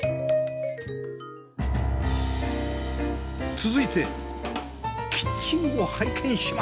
続いてキッチンを拝見します！